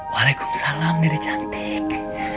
waalaikumsalam diri cantik